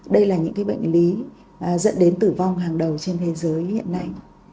đây là những bệnh lý dẫn đến tử vong hàng đầu trên thế giới hiện nay